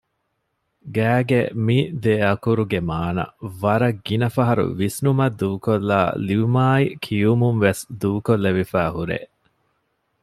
ގައި ގެ މި ދެއަކުރުގެ މާނަ ވަރަށް ގިނަ ފަހަރު ވިސްނުމަށް ދޫކޮށްލައި ލިޔުމާއި ކިޔުމުންވެސް ދޫކޮށްލެވިފައި ހުރޭ